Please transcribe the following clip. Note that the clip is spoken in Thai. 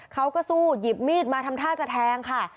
เขาก็สู้หยิบมีดมาทำท่าจะแทงค่ะ